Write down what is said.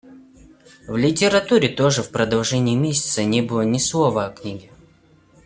В литературе тоже в продолжение месяца не было ни слова о книге.